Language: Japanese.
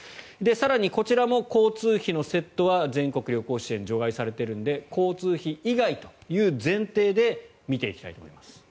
更にこちらも交通費のセットは全国旅行支援除外されているので交通費以外という前提で見ていきたいと思います。